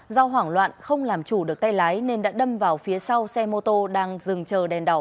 do hoảng loạn không làm chủ được tay lái nên đã đâm vào phía sau xe mô tô đang dừng chờ đèn đỏ